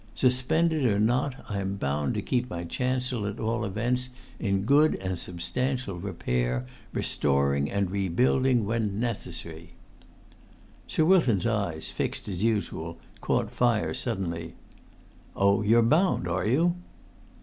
Suspended or not, I am bound to keep my chancel, at all events, 'in good and substantial repair, restoring and rebuilding when necessary.'" Sir Wilton's eyes, fixed as usual, caught fire suddenly. "Oh, you're bound, are you?"